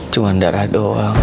cuman darah doang